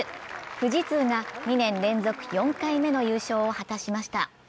富士通が２年連続４回目の優勝を果たしました。